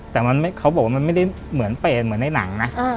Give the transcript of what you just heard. แต่เขาบอกว่ามันไม่ได้เหมือนเป็นเหมือนในหนังนะ